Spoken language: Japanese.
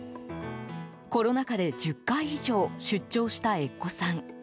コロナ禍で１０回以上出張した越湖さん。